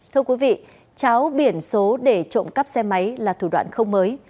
thưa quý vị cháo biển số để trộm cắp xe máy là thủ đoạn không mới